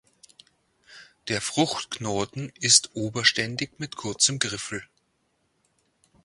Der Fruchtknoten ist oberständig mit kurzem Griffel.